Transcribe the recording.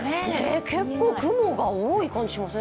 結構、雲が多い感じがしません？